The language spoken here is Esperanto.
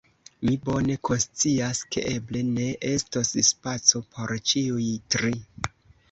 Mi bone konscias, ke eble ne estos spaco por ĉiuj tri.